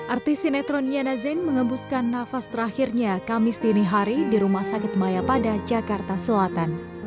artis sinetron yana zain mengembuskan nafas terakhirnya kamis dini hari di rumah sakit maya pada jakarta selatan